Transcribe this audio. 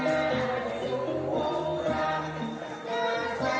การทีลงเพลงสะดวกเพื่อความชุมภูมิของชาวไทยรักไทย